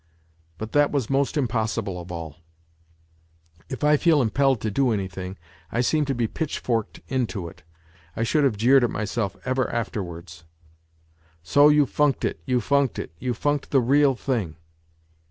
But that was most impossible of all : if I feel impelled to do anything, I seem to be pitchforked into it. I should have jeered at myself ever afterwards :" So you funked it, you funked it, you funked the real thing